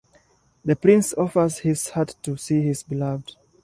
The prince offers his heart to see his beloved.